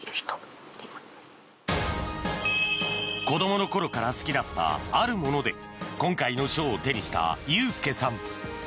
子どもの頃から好きだったあるもので今回の賞を手にした佑丞さん。